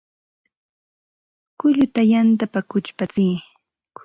Kulluta yantapa kuchpatsiy